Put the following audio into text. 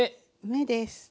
目です。